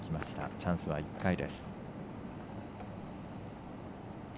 チャンスは１回。